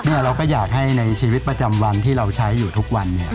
เราก็อยากให้ในชีวิตประจำวันที่เราใช้อยู่ทุกวันเนี่ย